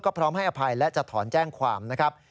พร้อมให้อภัยและจะถอนแจ้งความนะครับ